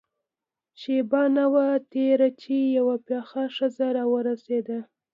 شېبه نه وه تېره چې يوه پخه ښځه راورسېده.